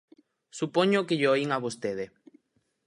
Supoño que llo oín a vostede.